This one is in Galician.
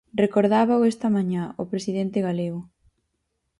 Recordábao esta mañá o presidente galego.